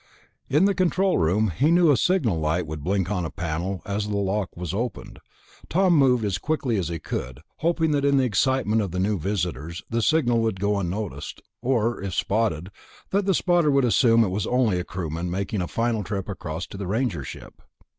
In the control room, he knew, a signal light would blink on a panel as the lock was opened. Tom moved as quickly as he could, hoping that in the excitement of the new visitors, the signal would go unnoticed ... or if spotted, that the spotter would assume it was only a crewman making a final trip across to the Ranger ship.